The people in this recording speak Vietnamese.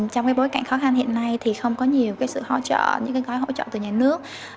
trong bối cảnh khó khăn hiện nay thì không có nhiều sự hỗ trợ những gói hỗ trợ từ nhà nước